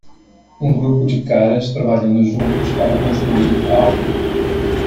Um grupo de caras trabalhando juntos para construir algo